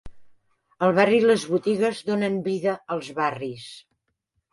El barri i les botigues donen vida als barris.